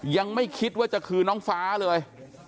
ยังไม่คิดว่าจะคือน้องฟ้าเลย